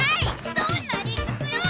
どんな理くつよ！